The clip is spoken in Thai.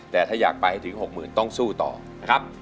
แต่ถ้าอยากไปให้ถึง๖๐๐๐ต้องสู้ต่อนะครับ